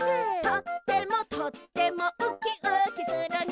「とってもとってもウキウキするね」